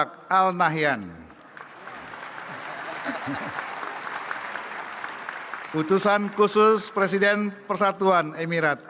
dan nyonya khusus presiden rakyat